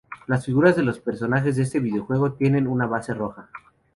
Las figuras de los personajes de este videojuego tienen una base roja.